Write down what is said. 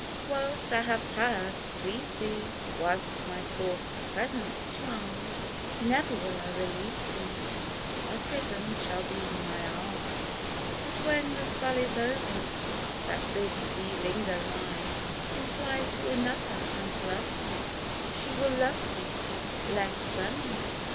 Whilst I have powV to please thee, Whilst my poor presence charms, Never will I release thee, Thy prison shall be my arms ! But when the spell is over That bids thee linger nigh, Then fly to another and love her — She will love thee less than I.